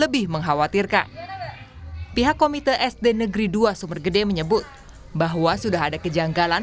lebih mengkhawatirkan pihak komite sd negeri dua sumber gede menyebut bahwa sudah ada kejanggalan